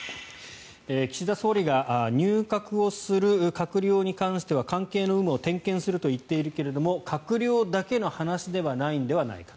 岸田総理が入閣をする閣僚に関しては関係の有無を点検すると言っているけれども閣僚だけの話ではないのではないか。